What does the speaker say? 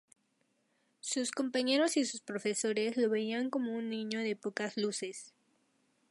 Sus compañeros y sus profesores lo veían como un niño de pocas luces.